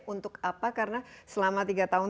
untuk apa karena selama tiga tahun